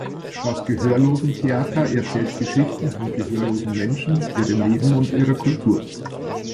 Das Gehörlosen-Theater erzählt Geschichten von gehörlosen Menschen, ihrem Leben und ihrer Kultur.